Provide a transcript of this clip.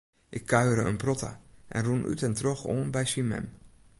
Ik kuiere in protte en rûn út en troch oan by syn mem.